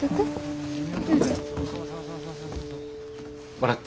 笑って。